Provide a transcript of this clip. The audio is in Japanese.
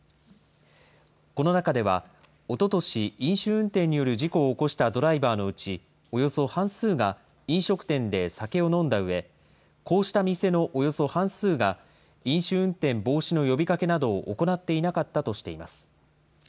この中では、おととし、飲酒運転による事故を起こしたドライバーのうちおよそ半数が飲食店で酒を飲んだうえ、こうした店のおよそ半数が飲酒運転防止の呼びかけなどを行っていなかったとしています。